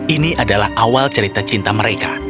ini adalah awal cerita cinta mereka